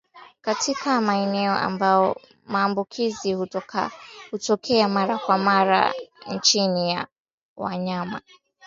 Katika maeneo ambayo maambukizi hutokea mara kwa mara chini ya ya wanyama